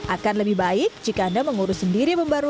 akan lebih baik jika anda mengurus sendiri pembayaran